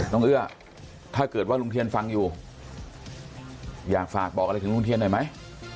เอื้อถ้าเกิดว่าลุงเทียนฟังอยู่อยากฝากบอกอะไรถึงลุงเทียนหน่อยไหม